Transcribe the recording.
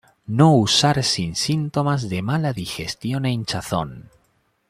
No usar sin síntomas de mala digestión e hinchazón.